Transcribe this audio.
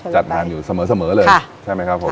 จัดงานอยู่เสมอเลย